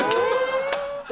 え！？